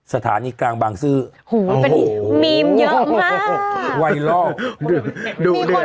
สถานีกลางบางซื่อหัวโหฮูมีเยอะมากไว้รอบดูเดียว